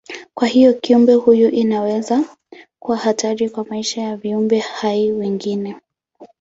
Kwa hivyo kiumbe huyu inaweza kuwa hatari kwa maisha ya viumbe hai wengine.